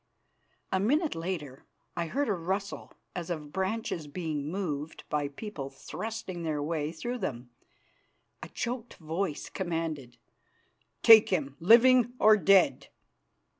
A minute later I heard a rustle as of branches being moved by people thrusting their way through them. A choked voice commanded, "Take him living or dead."